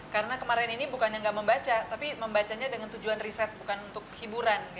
karena kemarin ini bukannya gak membaca tapi membacanya dengan tujuan riset bukan untuk hiburan